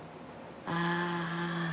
ああ。